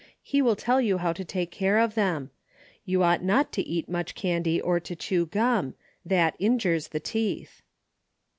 He will tell you how to take care of them. You ought not to eat much candy or to chew gum. That injures the teeth."